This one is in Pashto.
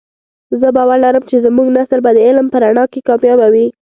زه باور لرم چې زمونږ نسل به د علم په رڼا کې کامیابه وی